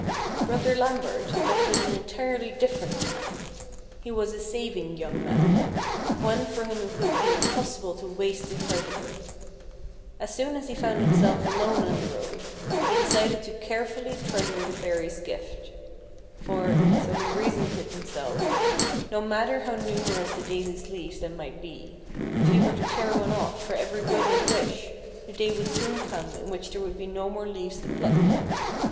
Brother Lambert adopted an entirely different plan. He was a saving young man, one for whom it would be impossible to waste a treasure. As soon as he found himself alone on the road, he decided to carefully treasure the fairy's gift ; for (so he reasoned with himself), no matter how numerous the daisy's leaves then might be, if he were to tear one off for every whim and wish, the day would soon come in which there would be no more leaves to pluck.